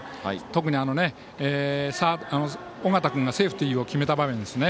特に尾形君がセーフティーを決めた場面ですね。